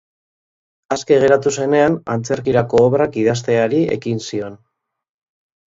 Aske geratu zenean antzerkirako obrak idazteari ekin zion.